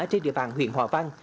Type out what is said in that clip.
trên địa bàn huyện hòa văn